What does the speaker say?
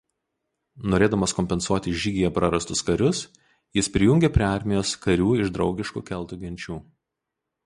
Norėdamas kompensuoti žygyje prarastus karius jis prijungė prie armijos karių iš draugiškų keltų genčių.